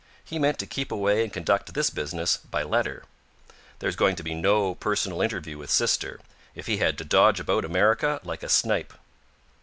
He meant to keep away and conduct this business by letter. There was going to be no personal interview with sister, if he had to dodge about America like a snipe.